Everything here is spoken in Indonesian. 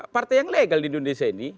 partai yang legal di indonesia ini